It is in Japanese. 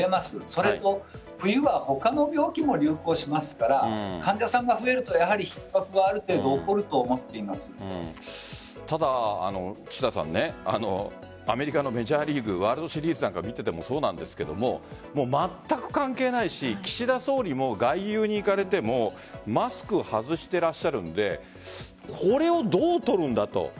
それと冬は他の病気も流行しますから患者さんが増えると、やはりひっ迫はある程度ただアメリカのメジャーリーグワールドシリーズなんかを見ていてもそうですがまったく関係ないし岸田総理も外遊に行かれてもマスクを外していらっしゃるのでこれをどう取るんだと。